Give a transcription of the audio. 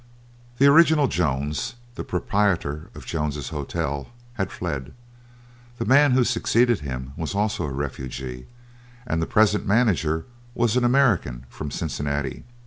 The original Jones, the proprietor of Jones's Hotel, had fled. The man who succeeded him was also a refugee, and the present manager was an American from Cincinnati.